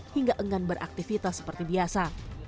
hingga enggan beraktivitas seperti biasa